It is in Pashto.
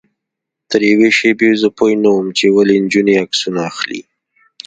تر یوې شېبې زه پوی نه وم چې ولې نجونې عکسونه اخلي.